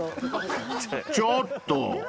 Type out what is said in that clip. ［ちょっと！